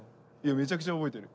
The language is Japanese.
めちゃくちゃ覚えてる。